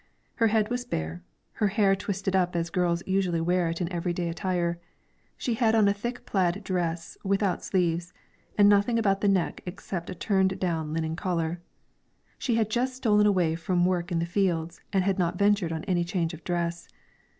Her head was bare, her hair twisted up as girls usually wear it in every day attire; she had on a thick plaid dress without sleeves, and nothing about the neck except a turned down linen collar. She had just stolen away from work in the fields, and had not ventured on any change of dress.